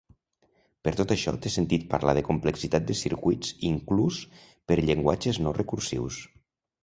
Per tot això, té sentit parlar de complexitat de circuits inclús per llenguatges no recursius.